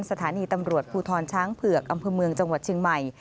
สถานีตำรวจภูทรช้างเผือกอำเภอเมืองจังหวัดเชียงใหม่